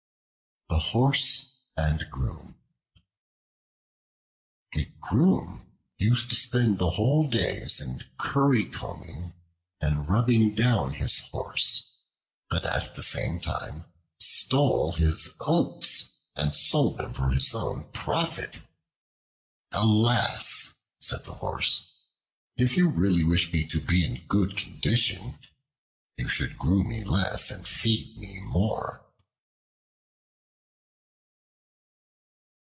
The Horse and Groom A GROOM used to spend whole days in currycombing and rubbing down his Horse, but at the same time stole his oats and sold them for his own profit. "Alas!" said the Horse, "if you really wish me to be in good condition, you should groom me less, and feed me more."